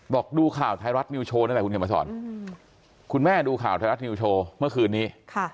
บอกดูข่าวไทยรัฐมิวโชว์คุณแม่ดูข่าวไทยรัฐมิวโชว์เมื่อคืนนี้